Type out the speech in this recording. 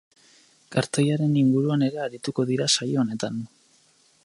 Kartoiaren inguruan ere arituko dira saio honetan.